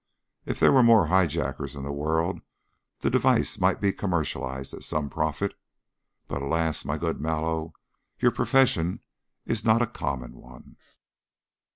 If there were more high jackers in the world the device might be commercialized at some profit; but, alas, my good Mallow, your profession is not a common one."